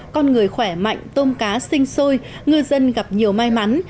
con người khỏe mạnh tôm cá sinh sôi ngư dân gặp nhiều may mắn